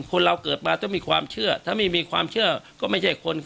คนเราเกิดมาต้องมีความเชื่อถ้าไม่มีความเชื่อก็ไม่ใช่คน